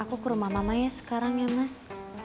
aku ke rumah mama ya sekarang ya mas